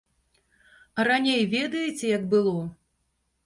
Раней ведаеце, як было?